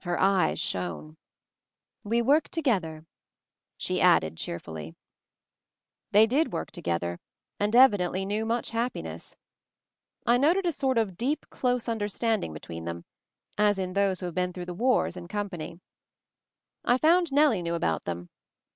Her eyes shone. "We work together," she added cheer fully. They did work together, and evidently knew much happiness. I noted a sort of I \\ 264 MOVING THE MOUNTAIN deep close understanding between them, as in those who have been through the wars in company, I found Nellie knew about them.